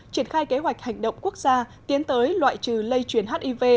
triển khai kế hoạch hành động quốc gia tiến tới loại trừ lây chuyển hiv